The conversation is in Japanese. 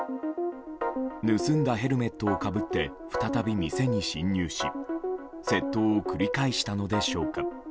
盗んだヘルメットをかぶって再び店に侵入し窃盗を繰り返したのでしょうか。